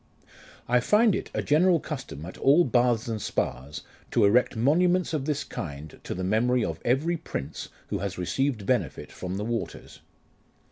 I find it a general custom at all baths and spas, to erect monuments of this kind to the memory of every prince who has received benefit from the waters.